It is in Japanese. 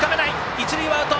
一塁はアウト。